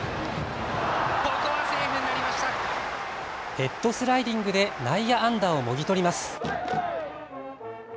ヘッドスライディングで内野安打をもぎ取ります。